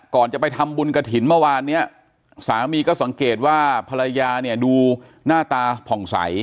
ก่อนจะไปทำบุญกระถิ่นเมื่อวานเนี้ยสามีก็สังเกตว่าภรรยาเนี่ยดูหน้าตาผ่องใส